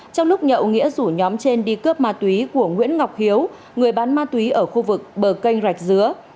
trong lúc nhậu nghĩa rủ nhóm trên đi cướp ma túy của nguyễn ngọc hiếu người bán ma túy ở khu vực bờ kênh rạch dứa